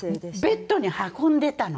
ベッドに運んでたの。